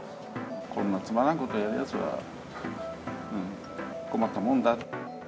こんなつまらんことやるやつは、困ったもんだ。